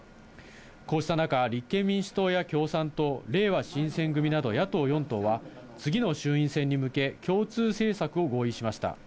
こうした中、立憲民主党や共産党、れいわ新選組など野党４党は、次の衆院選に向け、共通政策を合意しました。